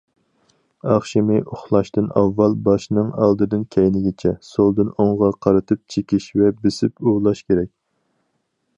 ئاخشىمى ئۇخلاشتىن ئاۋۋال باشنىڭ ئالدىدىن كەينىگىچە، سولدىن ئوڭغا قارىتىپ چېكىش ۋە بېسىپ ئۇۋۇلاش كېرەك.